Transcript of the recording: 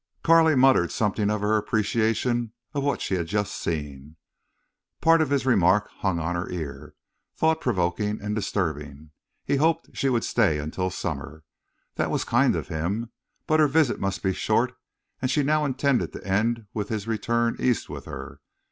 Carley murmured something of her appreciation of what she had just seen. Part of his remark hung on her ear, thought provoking and disturbing. He hoped she would stay until summer! That was kind of him. But her visit must be short and she now intended it to end with his return East with her.